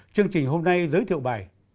chương trình hôm nay giới thiệu bài